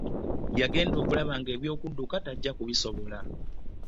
Yagenda okulaba ng’ebyokudduka tajja kubisobola.